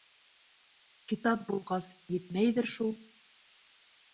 — Китап булғас, етмәйҙер шул.